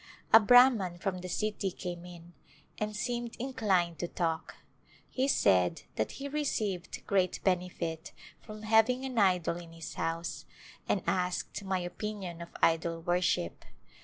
A Brahman from the city came in and seemed inclined to talk. He said that he received great benefit from having an idol in his house and asked my opin ion of idol worship.